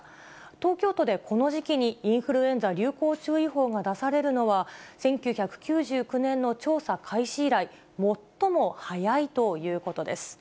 東京都でこの時期にインフルエンザ流行注意報が出されるのは、１９９９年の調査開始以来、最も早いということです。